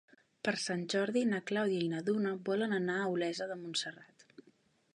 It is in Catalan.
Per Sant Jordi na Clàudia i na Duna volen anar a Olesa de Montserrat.